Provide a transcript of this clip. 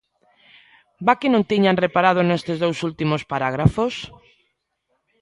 ¿Va que non tiñan reparado nestes dous últimos parágrafos?